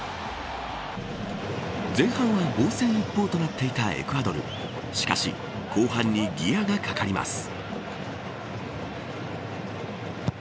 前半は防戦一方となっていたエクアドルしかし後半にギアがかかります。